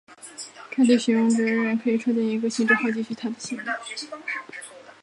该位使用者仍然可以创建一个新帐号继续他的行为。